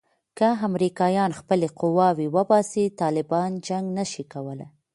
که امریکایان خپلې قواوې وباسي طالبان جنګ نه شي کولای.